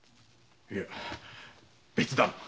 いや別段。